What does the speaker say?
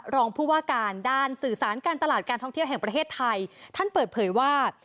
รองผู้ว่าการด้านสื่อสารการตลาดการท่องเที่ยวแห่งประเทศไทยท่านเปิดเผยว่า